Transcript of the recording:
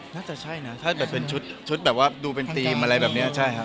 น่าจะใช่นะถ้าเป็นชุดดูเป็นธีมอะไรแบบนี้ใช่ครับ